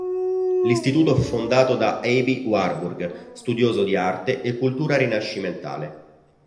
L'istituto fu fondato da Aby Warburg, studioso di arte e cultura rinascimentale.